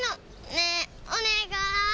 ねえおねがい！